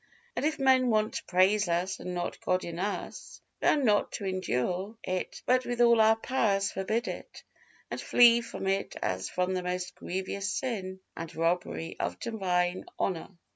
And if men want to praise us and not God in us, we are not to endure it, but with all our powers forbid it and flee from it as from the most grievous sin and robbery of divine honor.